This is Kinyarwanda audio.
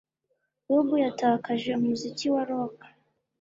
Bob yatakaje umuziki wa rock